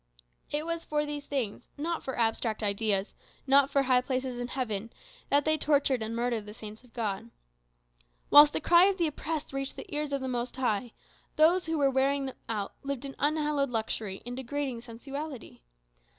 It was for these things, not for abstract ideas, not for high places in heaven, that they tortured and murdered the saints of God. Whilst the cry of the oppressed reached the ears of the Most High, those who were "wearing them out" lived in unhallowed luxury, in degrading sensuality.